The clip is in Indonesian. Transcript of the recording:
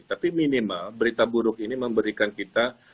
tapi minimal berita buruk ini memberikan kita